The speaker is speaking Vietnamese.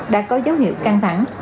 đã có dấu hiệu căng thẳng